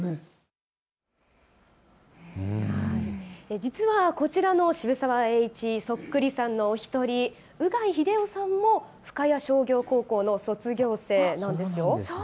実はこちらの渋沢栄一のそっくりさんの１人、鵜養秀男さんも深谷商業高校の卒業生なんです。